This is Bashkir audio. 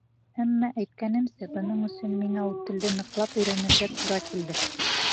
Әммә, әйткәнемсә, бының өсөн миңә ул телде ныҡлап өйрәнергә тура килде.